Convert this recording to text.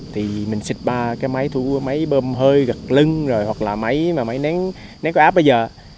thì mình xịt ba cái máy thuốc máy bơm hơi gật lưng hoặc là máy nén có áp bây giờ